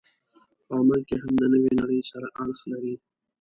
په عمل کې هم د نوې نړۍ سره اړخ لري.